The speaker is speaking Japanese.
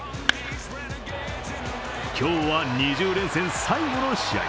今日は２０連戦、最後の試合。